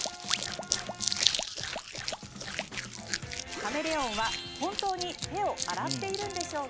カメレオンは本当に手を洗っているんでしょうか。